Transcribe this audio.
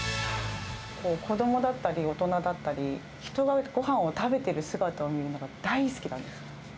子どもだったり、大人だったり、人がごはんを食べている姿を見るのが大好きなんです。